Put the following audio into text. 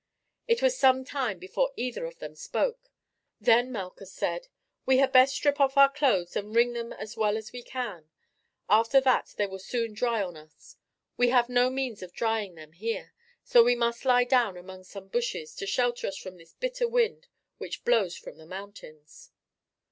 It was some time before either of them spoke. Then Malchus said: "We had best strip off our clothes and wring them as well as we can; after that they will soon dry on us. We have no means of drying them here, so we must lie down among some bushes to shelter us from this bitter wind which blows from the mountains."